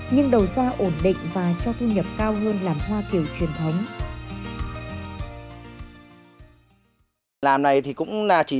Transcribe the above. nhưng đầu ra ổn định và cho thu nhập cao hơn làm hoa kiểu truyền thống